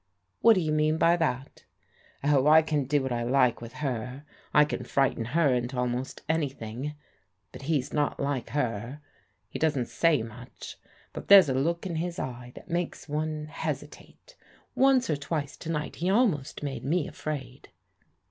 " What do you mean by that? "" Oh, I can do what I like with her. I can frighten her into almost anything. But he's not like her. He doesn't say much ; but there's a look in his eye that makes one hesitate. Once or twice to night he almost made me afraid."